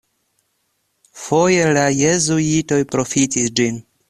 Foje la jezuitoj profitis ĝin.